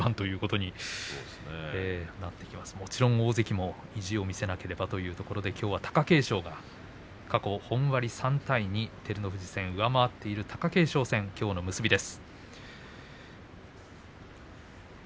もちろん大関の意地を見せなければというところで貴景勝が過去本割３対２照ノ富士戦、上回っている貴景勝戦、結びの一番です。